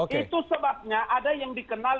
itu sebabnya ada yang dikenal